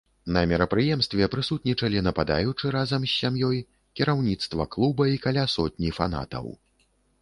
На мерапрыемстве прысутнічалі нападаючы разам з сям'ёй, кіраўніцтва клуба і каля сотні фанатаў.